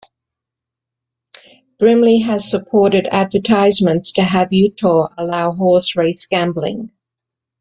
Brimley has supported advertisements to have Utah allow horse-race gambling.